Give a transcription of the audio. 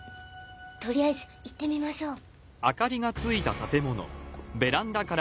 とりあえず行ってみましょう。